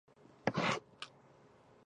翻开断砖来，有时会遇见蜈蚣